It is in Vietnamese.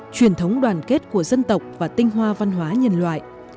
truyền thống đoàn kết của dân tộc và tinh hoa văn hóa nhân loại